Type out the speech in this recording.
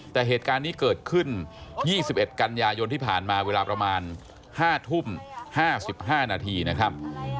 แต่เหตุการณ์นี้เกิดขึ้น๒๑กันยายนที่ผ่านมาเวลาประมาณ๕ทุ่ม๕๕นาทีนะครับ